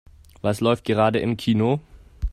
Was läuft gerade im Kino?